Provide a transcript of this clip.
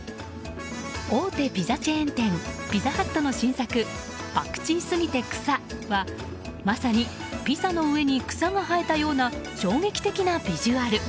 大手ピザチェーン店ピザハットの新作パクチーすぎて草はまさにピザの上に草が生えたような衝撃的なビジュアル。